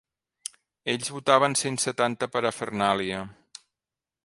Ells votaven sense tanta parafernàlia.